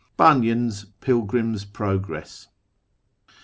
" Bunyan's PilgriiriS Progress.